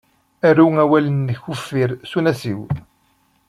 Aru awal-nnek uffir s unasiw.